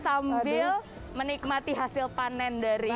sambil menikmati hasil panen dari